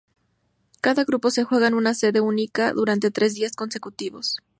Cada grupo se juega en una sede única durante tres días consecutivos.